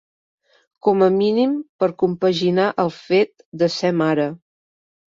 Com a mínim per compaginar el fet de ser mare.